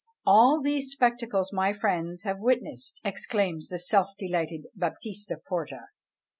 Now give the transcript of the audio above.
"All these spectacles my friends have witnessed!" exclaims the self delighted Baptista Porta.